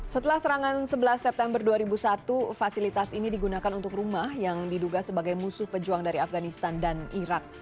setelah serangan sebelas september dua ribu satu fasilitas ini digunakan untuk rumah yang diduga sebagai musuh pejuang dari afganistan dan irak